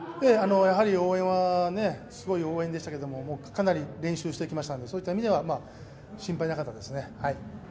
応援はすごい応援でしたけどかなり練習してきましたんで、そういった意味では心配なかったですね。